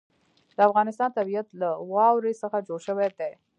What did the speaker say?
د افغانستان طبیعت له واوره څخه جوړ شوی دی.